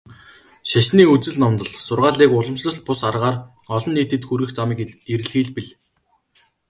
Шашны үзэл номлол, сургаалыг уламжлалт бус аргаар олон нийтэд хүргэх замыг эрэлхийлбэл сонирхлыг татна.